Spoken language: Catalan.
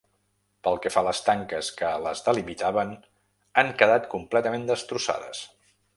Pel que fa a les tanques que les delimitaven, han quedat completament destrossades.